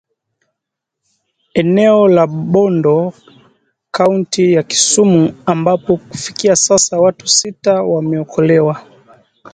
eneo la Bondo kaunti ya Kisumu ambapo kufikia sasa watu sita wameokolewa